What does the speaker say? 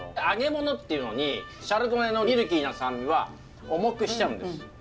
揚げ物っていうのにシャルドネのミルキーな酸味は重くしちゃうんです。